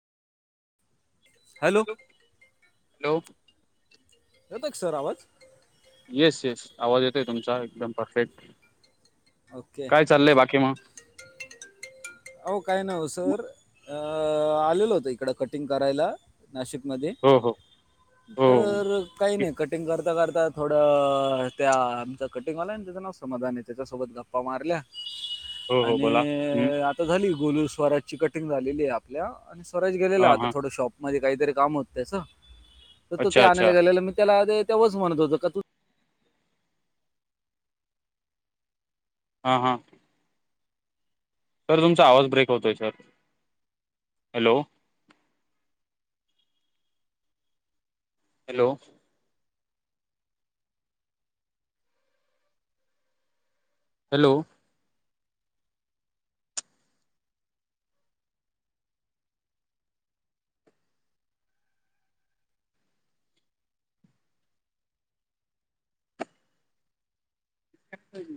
hello hello येता क sir आवाज येस येस आवाज येतोय तुमचा काय चाललंय बाकी म हो काय नाव सर अ आलेल होत इकडं कटिंग करायला नाशिकमध्ये तर काही नाही कटिंग करता करता आ थोडं त्या आमच कटिंगवाला आहे ना त्याच्या समाधाने त्याच्यासोबत गप्पा मारल्या आणि आ गोलू स्वराज ची कटिंग झालेली आहे आपल्या आणि स्वराज गेलेला आता थोड शॉप मध्ये काहीतरी काम होत तर तो ते आणायला गेलेलं मी त्याला ते तेव्हाच म्हणत होत का तू हा हा सर तुमचा आवाज ब्रेक होतोय सर हॅलो हॅलो हॅलो अ्छ